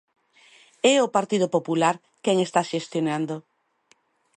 É o Partido Popular quen está xestionando.